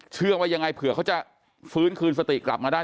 เชื่อว่ายังไงเผื่อเขาจะฟื้นคืนสติกลับมาได้